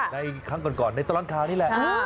ได้ครั้งก่อนในตรังคานี่แหละ